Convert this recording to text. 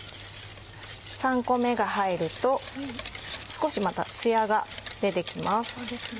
３個目が入ると少しまたつやが出て来ます。